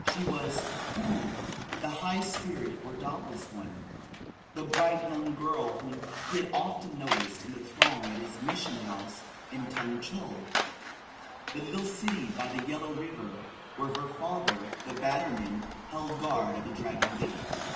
She was Woo (the "high spirited" or "dauntless one"), the bright young girl whom he had often noticed in the throng at his mission house in Tung Chow, the little city by the Yellow River, where her father, the bannerman, held guard at the Dragon Gate.